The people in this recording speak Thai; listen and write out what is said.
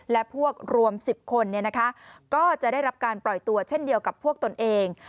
และพวกรวม๑๐คนก็จะได้รับการปล่อยตัวเช่นเดียวกับพวกตนเอง